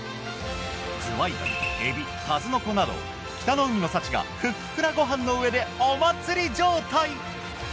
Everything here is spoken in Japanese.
ズワイガニエビ数の子など北の海の幸がふっくらごはんの上でお祭り状態。